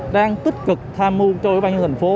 đang tích cực tham mưu cho các thành phố